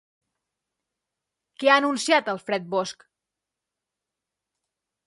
Què ha anunciat Alfred Bosch?